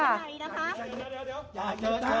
เอาเวลาเจอร์ไหน